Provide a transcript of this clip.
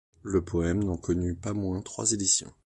Le poème n'en connut pas moins trois éditions.